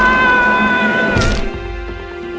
aku akan menghina kau